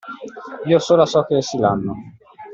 Io sola so che essi l’hanno.